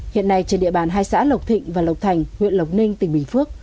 hiện nay trên địa bàn hai xã lộc thịnh và lộc thành huyện lộc ninh tỉnh bình phước